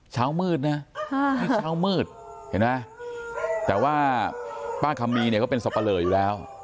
เช้ามืดนะนี่เช้ามืดเห็นไหมแต่ว่าป้าคำมีเนี่ยก็เป็นสับปะเลออยู่แล้ว